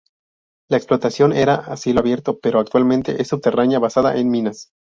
La explotación era a cielo abierto, pero actualmente es subterránea, basada en minas.